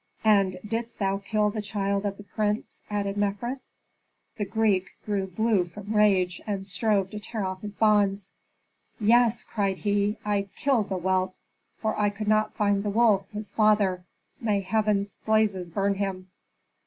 "And didst thou kill the child of the prince?" added Mefres. The Greek grew blue from rage, and strove to tear off his bonds. "Yes!" cried he, "I killed the whelp, for I could not find the wolf, his father, may heaven's blazes burn him!"